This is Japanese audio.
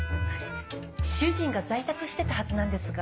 主人が在宅してたはずなんですが。